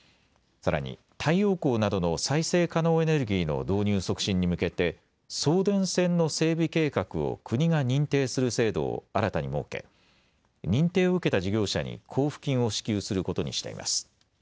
さらに太陽光などの再生可能エネルギーの導入促進に向けて送電線の整備計画を国が認定する制度を新たに設け認定を受けた事業者に交付金を支給することにしています。